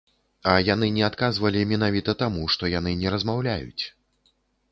А яны не адказвалі менавіта таму, што яны не размаўляюць.